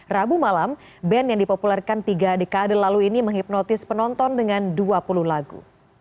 rabu malam band yang dipopulerkan tiga dekade lalu ini menghipnotis penonton dengan dua puluh lagu